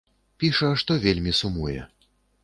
Піша, што вельмі сумуе.